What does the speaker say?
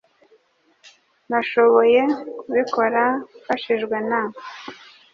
Nashoboye kubikora mfashijwe na .